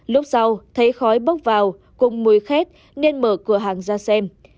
lúc sau thấy khói bốc vào cùng mùi khét nên mở cửa hàng ra xem